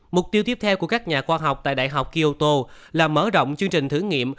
mục tiêu tiếp theo của các nhà khoa học tại đại học kioto là mở rộng chương trình thử nghiệm